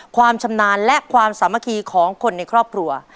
ความชำนาญและความสามัคคีของคนในครอบครัว